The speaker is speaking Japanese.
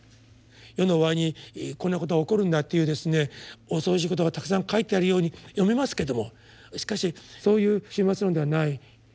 世の終わりにこんなことが起こるんだっていう恐ろしいことがたくさん書いてあるように読めますけどもしかしそういう終末論ではない。